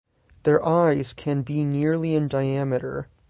Their eyes can be nearly in diameter.